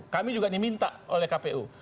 kami juga diminta oleh kpu